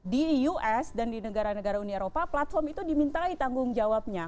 di us dan di negara negara uni eropa platform itu dimintai tanggung jawabnya